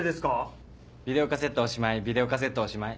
ビデオカセットおしまいビデオカセットおしまい。